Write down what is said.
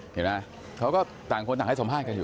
เห็นไหมเขาก็ต่างคนต่างให้สัมภาษณ์อยู่